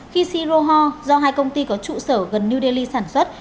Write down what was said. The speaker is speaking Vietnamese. khi sirohor do hai công ty có trụ sở gần new delhi sản xuất